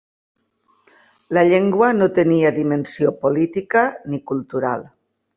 La llengua no tenia dimensió política ni cultural.